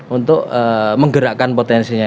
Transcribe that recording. untuk menggerakkan potensinya